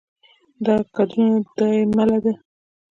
دا کدرونه دا يې مله دي